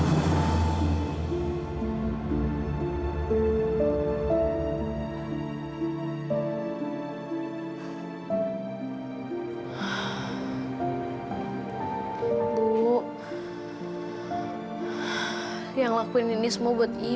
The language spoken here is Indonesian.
yang lakuin ini semua buat ibu